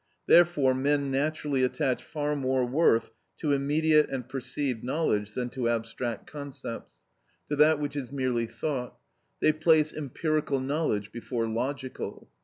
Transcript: Therefore men naturally attach far more worth to immediate and perceived knowledge than to abstract concepts, to that which is merely thought; they place empirical knowledge before logical.